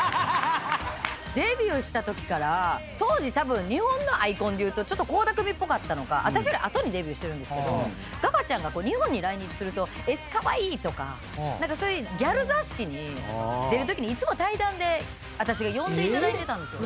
デビューしたときから当時たぶん日本のアイコンでいうと倖田來未っぽかったのか私より後にデビューしてるんですけどガガちゃんが日本に来日すると『ＳＣａｗａｉｉ！』とかそういうギャル雑誌に出るときにいつも対談で私が呼んでいただいてたんですよ。